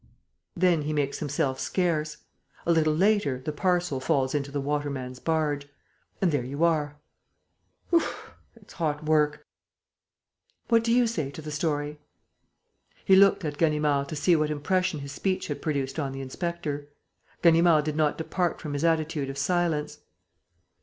Then he makes himself scarce. A little later, the parcel falls into the waterman's barge. And there you are. Oof, it's hot work!... What do you say to the story?" He looked at Ganimard to see what impression his speech had produced on the inspector. Ganimard did not depart from his attitude of silence.